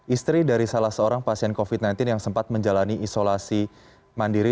istri dari salah seorang pasien covid sembilan belas yang sempat menjalani isolasi mandiri